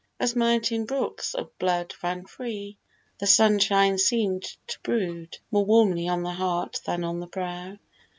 As mountain brooks Our blood ran free: the sunshine seem'd to brood More warmly on the heart than on the brow.